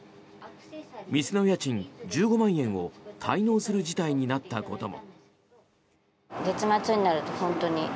店の家賃１５万円を滞納する事態になったことも。